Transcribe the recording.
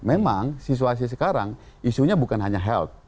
memang situasi sekarang isunya bukan hanya health